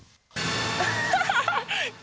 アハハハ！